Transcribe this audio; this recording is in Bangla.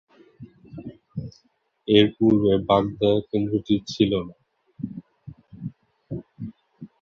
এর পূর্বে বাগদা কেন্দ্রটি ছিল না।